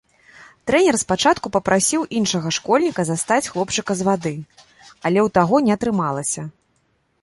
Трэнер спачатку папрасіў іншага школьніка застаць хлопчыка з вады, але ў таго не атрымалася.